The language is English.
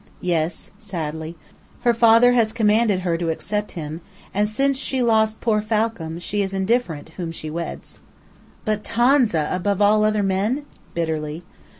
"Yes," sadly; "her father has commanded her to accept him, and, since she lost poor Falcam, she is indifferent whom she weds." "But Tonza above all other men!" bitterly.